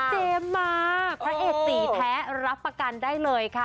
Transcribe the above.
เจมส์มาพระเอกสีแท้รับประกันได้เลยค่ะ